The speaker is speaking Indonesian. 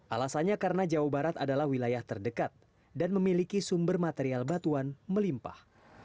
alasannya karena jawa barat adalah wilayah terdekat dan memiliki sumber material batuan melimpah